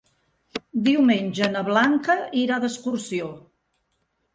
Diumenge na Blanca irà d'excursió.